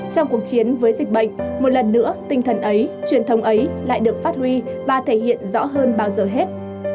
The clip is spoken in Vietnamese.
trong cuộc chiến với dịch bệnh một lần nữa tinh thần ấy truyền thống ấy lại được phát huy và thể hiện rõ hơn bao giờ hết